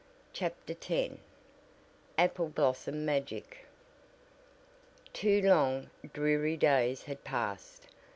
CHAPTER X APPLE BLOSSOM MAGIC Two long, dreary days had passed.